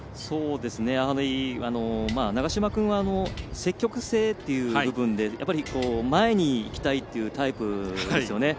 やはり、長嶋君は積極性という部分で前に行きたいというタイプですよね。